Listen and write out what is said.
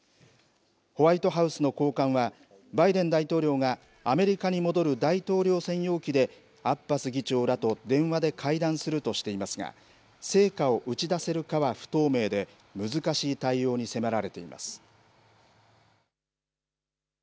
ホワイトハウスの高官は、バイデン大統領がアメリカに戻る大統領専用機で、アッバス議長らと電話で会談するとしていますが、成果を打ち出せるかは不透明で、難しい対応に迫られています。